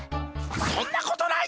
そんなことない！